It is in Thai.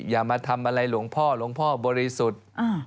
อย่ามาทำอะไรหลวงพ่อหลวงพ่อบริสุทธิ์